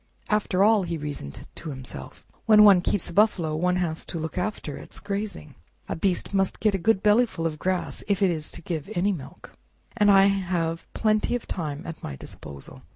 "After all," he reasoned to himself, "when one keeps a buffalo one has to look after its grazing. A beast must get a good bellyful of grass if it is to give any milk, and I have plenty of time at my disposal."